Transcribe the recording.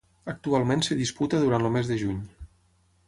Actualment es disputa durant el mes de juny.